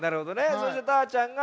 そしてたーちゃんが「たなばた」。